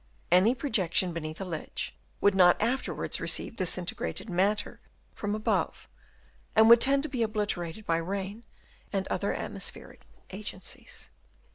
Any pro jection beneath a ledge would not afterwards receive disintegrated matter from above, and would tend to be obliterated by rain and other atmospheric agencies.